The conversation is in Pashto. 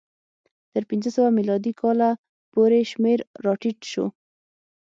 تر پنځه سوه میلادي کاله پورې شمېر راټیټ شو.